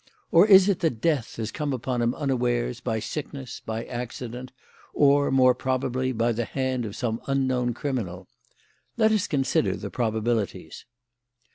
Or is it that death has come upon him unawares by sickness, by accident, or, more probably, by the hand of some unknown criminal? Let us consider the probabilities.